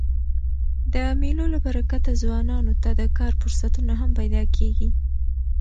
د مېلو له برکته ځوانانو ته د کار فرصتونه هم پیدا کېږي.